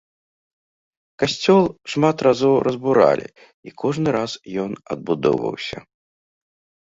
Касцёл шмат разоў разбуралі, і кожны раз ён адбудоўваўся.